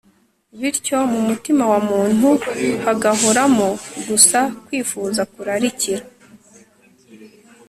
bityo mu mutima wa muntu hagahoramo gusa kwifuza, kurarikira